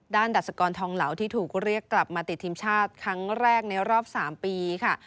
ดัชกรทองเหลาที่ถูกเรียกกลับมาติดทีมชาติครั้งแรกในรอบ๓ปีค่ะ